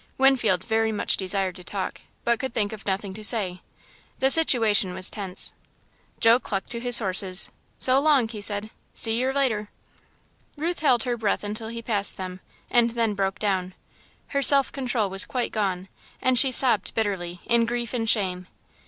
Winfield very much desired to talk, but could think of nothing to say. The situation was tense. Joe clucked to his horses. "So long," he said. "See yer later." Ruth held her breath until he passed them, and then broke down. Her self control was quite gone, and she sobbed bitterly, in grief and shame.